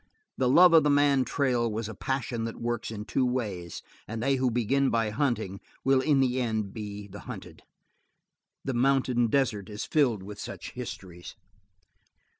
The love of the man trail is a passion that works in two ways, and they who begin by hunting will in the end be the hunted; the mountain desert is filled with such histories.